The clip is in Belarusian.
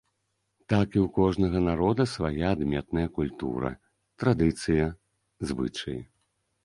Так і ў кожнага народа свая адметная культура, традыцыя, звычаі.